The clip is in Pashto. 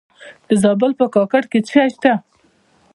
د زابل په کاکړ کې څه شی شته؟